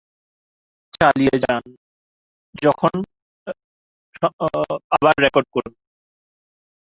এখানে প্রাচ্য ও পাশ্চাত্যের বণিকরা আসতেন।